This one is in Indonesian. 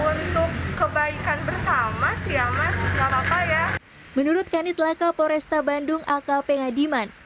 untuk kebaikan bersama siang mas nggak apa apa ya menurutkan itulah kapolesta bandung aka pengadiman